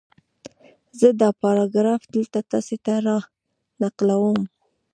زه دا پاراګراف دلته تاسې ته را نقلوم